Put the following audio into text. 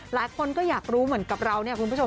หลายคนก็อยากรู้เหมือนกับเราเนี่ยคุณผู้ชม